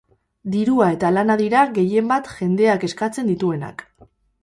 Dirua eta lana dira gehienbat jendeak eskatzen dituenak.